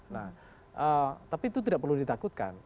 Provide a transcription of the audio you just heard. nah tapi itu tidak perlu ditakutkan